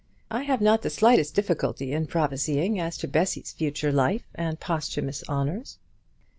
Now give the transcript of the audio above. I have not the slightest difficulty in prophesying as to Bessy's future life and posthumous honours."